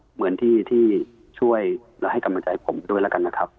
เหมือนที่ช่วยและให้กำลังใจผมด้วยแล้วกันนะครับ